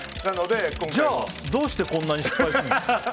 じゃあどうしてこんなに失敗するの？